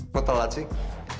kok telat sih